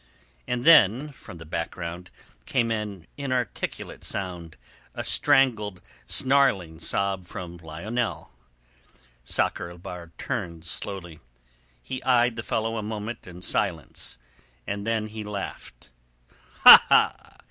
And then from the background came an inarticulate sound, a strangled, snarling sob from Lionel. Sakr el Bahr turned slowly. He eyed the fellow a moment in silence, then he laughed. "Ha!